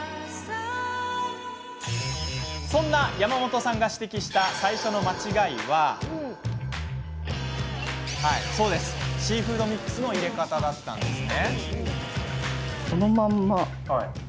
そんな山本さんが指摘した最初の間違いはシーフードミックスの入れ方です。